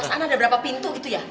rasanya ada beberapa pintu gitu ya